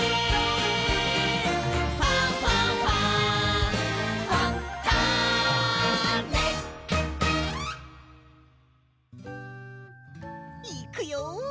「ファンファンファン」いくよ